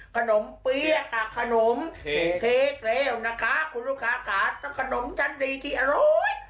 ขนมเปรี้ยกอ่ะขนมเทกเลวนะคะคุณลูกค้าขาต้องขนมฉันดีที่อร่อย